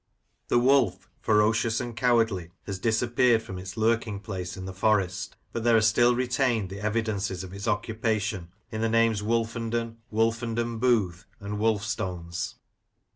The wolf, ferocious and cowardly, has disappeared from its lurking place in the Forest, but there are still retained the evidences of its occupation in the names, Wolfenden, Wolfenden Booth, and Wolfstones.